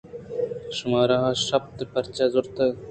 شمارا اشتاپ ءَ پرچہ زرتگ